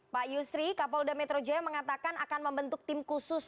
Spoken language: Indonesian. pak yusri kapolda metrojaya mengatakan akan membentuk tim khusus